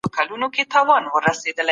د جرګي نویو غړو ته لازمي لارښووني څوک کوي؟